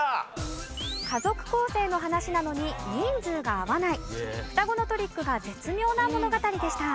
家族構成の話なのに人数が合わないふたごのトリックが絶妙な物語でした。